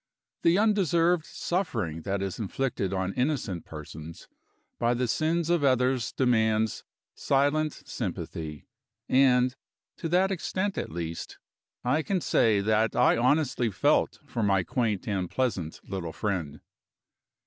The undeserved suffering that is inflicted on innocent persons by the sins of others demands silent sympathy; and, to that extent at least, I can say that I honestly felt for my quaint and pleasant little friend.